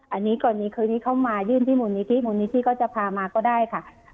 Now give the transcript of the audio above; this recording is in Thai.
อันนี้ก่อนนี้คืนนี้เข้ามายื่นที่มูลนิธิมูลนิธิก็จะพามาก็ได้ค่ะ